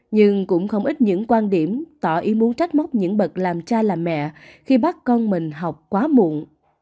nhưng cũng không ít những quan điểm tỏ ý muốn trách mốc những bậc làm cha làm mẹ khi bắt con mình học quá muộn